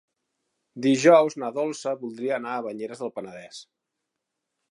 Dijous na Dolça voldria anar a Banyeres del Penedès.